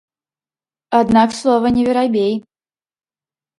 Аднак слова не верабей.